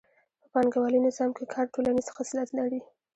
په پانګوالي نظام کې کار ټولنیز خصلت لري